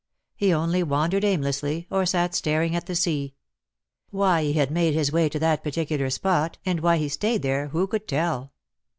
He only wandered aimlessly, or sat staring at the sea. Why he had made his way to that particular spot and why he stayed there who could tell?